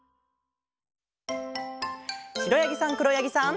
しろやぎさんくろやぎさん。